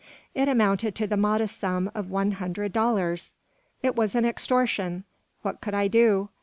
It amounted to the modest sum of one hundred dollars! It was an extortion. What could I do?